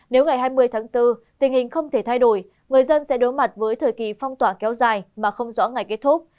nếu ngày hai mươi tháng bốn tình hình không thể thay đổi người dân sẽ đối mặt với thời kỳ phong tỏa kéo dài mà không rõ ngày kết thúc